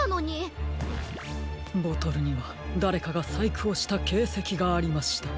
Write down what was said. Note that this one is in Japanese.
ボトルにはだれかがさいくをしたけいせきがありました。